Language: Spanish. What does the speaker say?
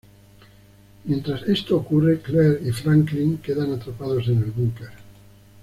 Mientras esto ocurre, Claire y Franklin quedan atrapados en el búnker.